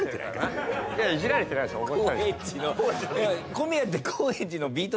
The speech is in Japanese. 小宮って。